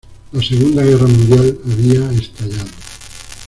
La Segunda Guerra Mundial había estallado.